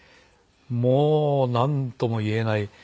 もうなんとも言えない。